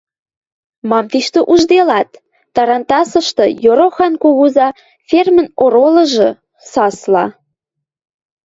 Мам тиштӹ ужделат? — тарантасышты Йорохан кугуза, фермӹн оролжы, сасла.